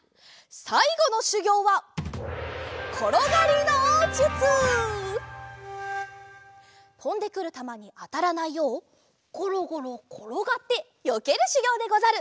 さいごのしゅぎょうはとんでくるたまにあたらないようごろごろころがってよけるしゅぎょうでござる！